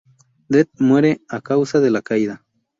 Dent muere a causa de la caída.